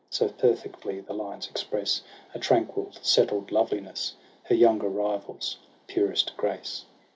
So perfectly the lines express A tranquil, settled loveliness, Her younger rival's purest grace.